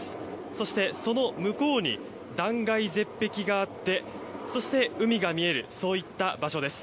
そして、その向こうに断崖絶壁があってそして海が見えるといった場所です。